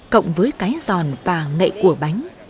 cộng với cái giòn và ngậy của bánh